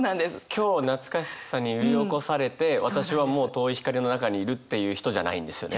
今日懐かしさに揺り起こされて私はもう遠い光の中にいるっていう人じゃないんですよね。